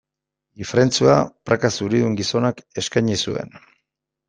Ifrentzua praka zuridun gizonak eskaini zuen.